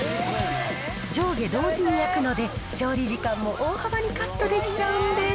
上下同時に焼くので、調理時間も大幅にカットできちゃうんです。